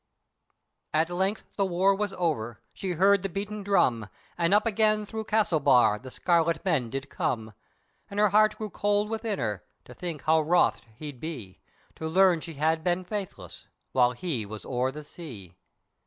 At length the war was over, she heard the beaten drum, And up again thro' Castlebar, the scarlet men did come, And her heart grew cold within her, to think how wroth he'd be To learn she had been faithless, while he was o'er the sea.